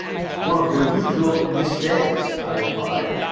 "One of your usual mistakes," I replied.